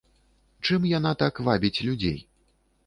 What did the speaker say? Чым яна так вабіць людзей?